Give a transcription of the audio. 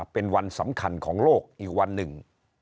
เป็นวันสำคัญของโลกอีกวันหนึ่ง